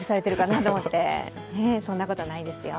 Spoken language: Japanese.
そんなことないですよ。